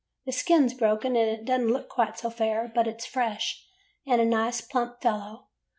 The skin 's broken and it does n't look quite so fair; but it 's fresh, and a nice plump fellow.